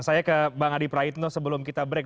saya ke bang adi praitno sebelum kita break